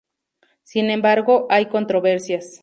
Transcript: Sin embargo, hay controversias.